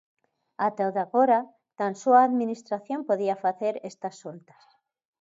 Ata o de agora tan só a Administración podía facer estas soltas.